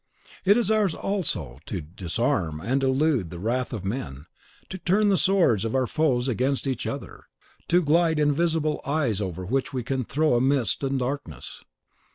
It is ours also to disarm and elude the wrath of men, to turn the swords of our foes against each other, to glide (if not incorporeal) invisible to eyes over which we can throw a mist and darkness.